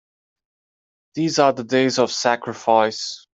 These are days of sacrifice!